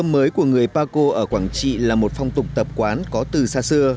cúng lúa mới của người paco ở quảng trị là một phong tục tập quán có từ xa xưa